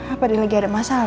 apa dia lagi ada masalah